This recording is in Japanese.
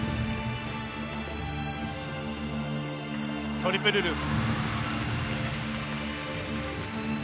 トリプルループ。